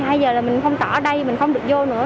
bây giờ là mình không tỏ ở đây mình không được vô nữa